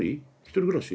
１人暮らし？